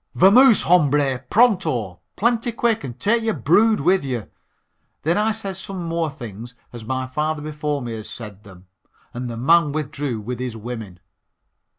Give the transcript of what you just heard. Vamoos, hombre, pronto plenty quick and take your brood with you." Then I said some more things as my father before me had said them, and the man withdrew with his women.